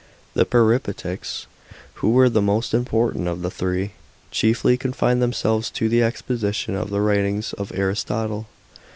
The Peripatetics, who were the most important of the three, chiefly confined themselves to the exposition of the writings of Aristotle.